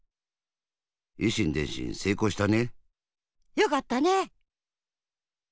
よかったね。